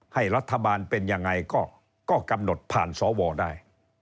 ให้รัฐบาลเป็นยังไงก็กำหนดผ่านสวได้